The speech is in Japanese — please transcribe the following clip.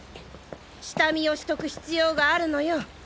下見をしとく必要があるのよ。